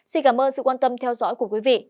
xin cảm ơn sự quan tâm theo dõi của quý vị